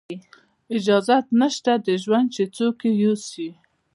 اجازت نشته د ژوند چې څوک یې یوسي